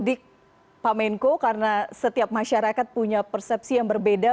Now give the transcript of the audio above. di pak menko karena setiap masyarakat punya persepsi yang berbeda